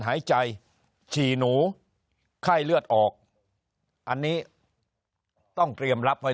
หายใจฉี่หนูไข้เลือดออกอันนี้ต้องเตรียมรับไว้